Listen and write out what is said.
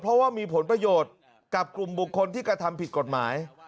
เพราะว่ามีผลประโยชน์กับกลุ่มบุคคลที่กระทำผิดกฎหมาย